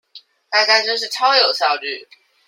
大家真是超有效率